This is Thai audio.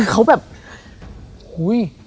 เขาแบบอุ้ย